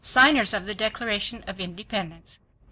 Signers of the Declaration of Independence.